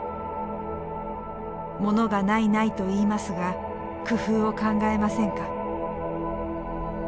「物がないないといいますが工夫を考えませんか」。